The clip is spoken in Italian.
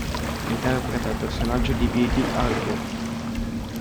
Interpreta il personaggio di Billy Hargrove.